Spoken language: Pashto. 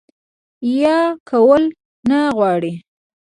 يا کول نۀ غواړي